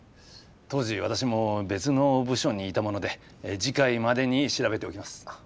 当時私も別の部署にいたもので次回までに調べておきます。